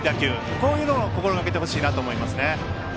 こういうのを心がけてほしいなと思います。